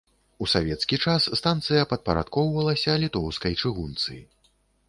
У савецкі час станцыя падпарадкоўвалася літоўскай чыгунцы.